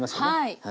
はい。